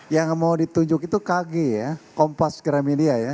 yang mau ditunjuk itu kg ya kompas gramedia ya